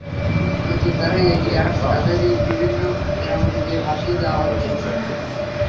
নতুন যাঁরাই এগিয়ে আসছেন, তাঁদেরই বিভিন্ন কেরামতি দিয়ে ফাঁসিয়ে দেওয়া হচ্ছে।